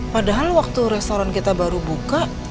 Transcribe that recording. padahal waktu restoran kita baru buka